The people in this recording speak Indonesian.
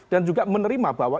dan juga menerima bahwa